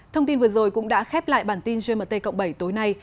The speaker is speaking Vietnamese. thông tin vừa rồi cũng đã khép lại bản tin gmt cộng bảy tối nay